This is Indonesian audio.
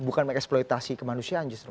bukan eksploitasi kemanusiaan justru